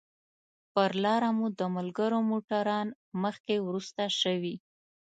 پر لاره مو د ملګرو موټران مخکې وروسته شوي.